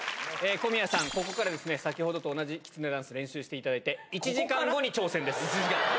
小宮さん、ここから先ほどと同じきつねダンス、練習していただいて、１時間後に挑戦です。